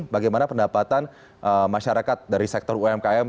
bagaimana pendapatan masyarakat dari sektor umkm